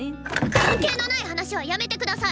関係のない話はやめて下さい！